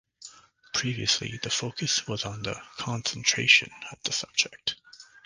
Previously, the focus was on the "concentration" of the subject.